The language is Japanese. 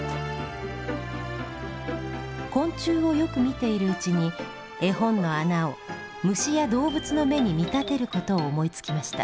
昆虫をよく見ているうちに絵本の穴を虫や動物の目に見立てることを思いつきました。